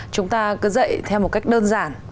chúng ta cứ dạy theo một cách đơn giản